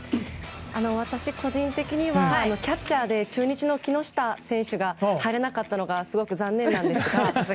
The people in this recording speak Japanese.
私個人的にはキャッチャーで中日の木下選手が入れなかったのがすごく残念なんですが。